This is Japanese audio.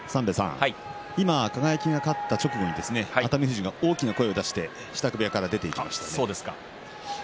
今輝が勝った直後に熱海富士が大きな声を出して支度部屋から出ていきました。